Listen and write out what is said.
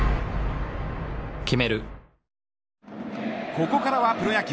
ここからはプロ野球。